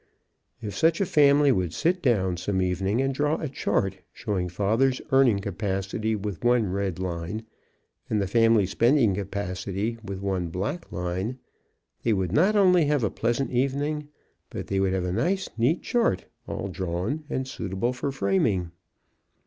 If such a family would sit down some evening and draw a chart showing father's earning capacity with one red line and the family spending capacity with one black line, they would not only have a pleasant evening, but they would have a nice, neat chart all drawn and suitable for framing.